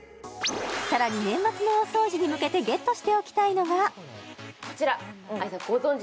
さらに年末の大掃除に向けてゲットしておきたいのがこちら愛さん